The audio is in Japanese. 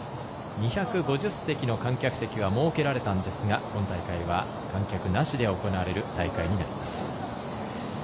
２５０席の観客席は設けられたんですが今大会は観客なしで行われる大会になります。